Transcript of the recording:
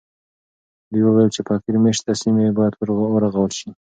دوی وویل چې فقیر مېشته سیمې باید ورغول سي.